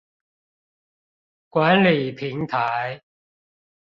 管理平台